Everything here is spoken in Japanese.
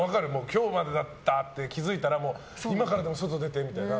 今日までだったって気づいたら今からでも外出て！みたいな。